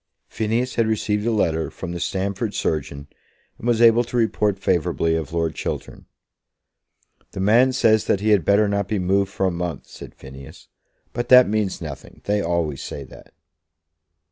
Phineas had received a letter from the Stamford surgeon, and was able to report favourably of Lord Chiltern. "The man says that he had better not be moved for a month," said Phineas. "But that means nothing. They always say that."